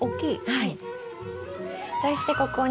はい。